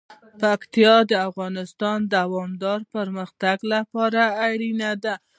پکتیا د افغانستان د دوامداره پرمختګ لپاره اړین دي.